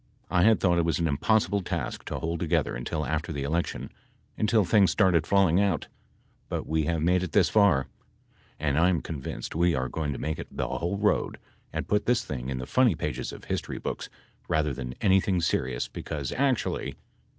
/ had though t it was an impossible task to hold together until after the election until things started, falling out , but we ha ve made it this far and I am convinced we are going to make it the whole road and put this thing in the funny pages of history books rather than anything serious because actu ally —